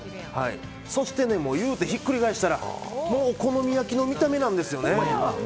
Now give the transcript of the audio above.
そしてひっくり返したらもうお好み焼きの見た目なんです。